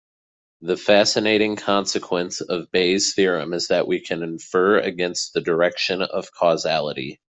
The fascinating consequence of Bayes' theorem is that we can infer against the direction of causality.